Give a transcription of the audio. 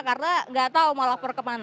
karena nggak tahu mau lapor kemana